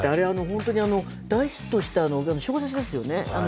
本当に大ヒットした小説ですよね。